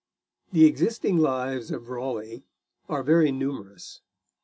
The existing Lives of Raleigh are very numerous.